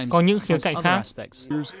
có những khía cạnh khác